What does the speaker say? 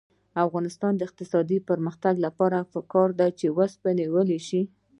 د افغانستان د اقتصادي پرمختګ لپاره پکار ده چې اوسپنه ویلې شي.